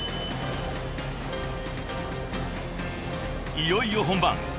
［いよいよ本番］